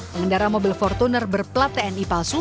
pengendara mobil fortuner berplat tni palsu